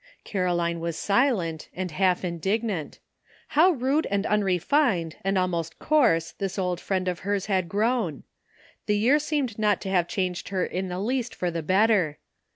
Caroline was silent, and half indignant. AT LAST. 873 How rude and unrefined and almost coarse this old friend of hers had grown ! The year seemed not to have changed her in the least for the better.